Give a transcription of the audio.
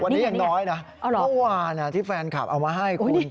วันนี้ยังน้อยนะเมื่อวานที่แฟนคลับเอามาให้คุณ